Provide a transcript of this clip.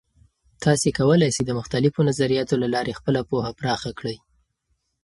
تاسې کولای سئ د مختلفو نظریاتو له لارې خپله پوهه پراخه کړئ.